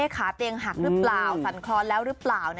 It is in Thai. ขาเตียงหักหรือเปล่าสั่นคลอนแล้วหรือเปล่า